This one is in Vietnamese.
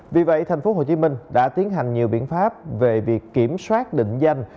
vì vậy tp hcm đã tiến hành nhiều biện pháp về việc kiểm soát định danh